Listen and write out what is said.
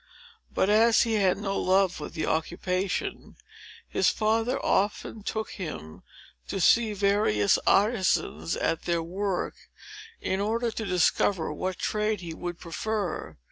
But, as he had no love for that occupation, his father often took him to see various artisans at their work, in order to discover what trade he would prefer.